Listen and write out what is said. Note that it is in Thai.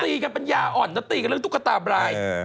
ตีกันเป็นยาอ่อนนะตีกันเรื่องตุ๊กตาบราย